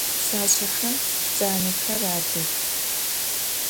Пшъашъэхэм джанэхэр адых.